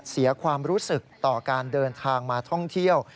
เสียความรู้สึกต่อการเดินทางมาท่องเที่ยว